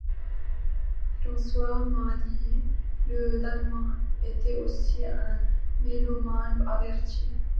François Marie le Danois était aussi un mélomane averti.